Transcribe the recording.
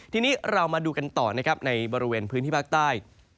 ทีนี้เรามาดูกันต่อนะครับในบริเวณพื้นที่ภาคใต้